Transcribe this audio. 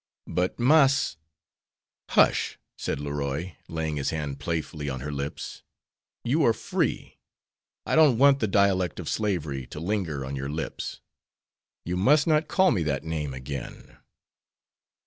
But Mas " "Hush!" said Leroy, laying his hand playfully on her lips; "you are free. I don't want the dialect of slavery to linger on your lips. You must not call me that name again."